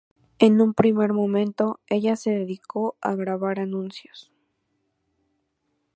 En un primer momento, ella se dedicó a grabar anuncios.